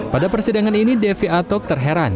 pada persidangan ini devi atok terheran